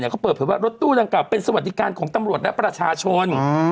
เขาเปิดเพราะว่ารถตู้เป็นสวัสดีการณ์ของตำรวจและประชาชน